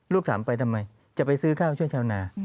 ลูกถามไปทำไมจะไปซื้อข้าวช่วยชาวนา